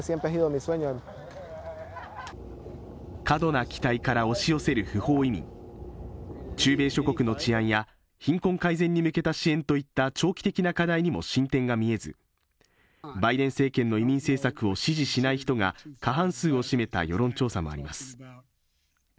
過度な期待から押し寄せる不法移民中米諸国の治安や貧困改善に向けた支援といった長期的な課題にも進展が見えずバイデン政権の移民政策を支持しない人が過半数を占めた世論調査もあります